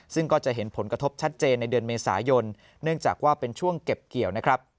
ซึ่งก็จะเห็นผลกระทบชัดเจนในเดือนเมษายนเนื่องจากว่าเป็นช่วงเก็บเกี่ยวนะครับ